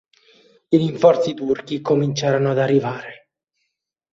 I rinforzi turchi cominciarono ad arrivare.